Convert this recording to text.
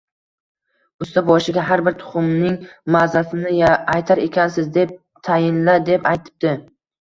— Ustaboshiga har bir tuxumning mazasini aytar ekansiz, deb tayinla, — deb aytibdi.